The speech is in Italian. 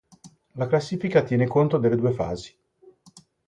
La classifica tiene conto delle due fasi